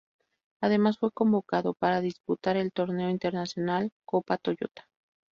Además, fue convocado para disputar el Torneo Internacional "Copa Toyota".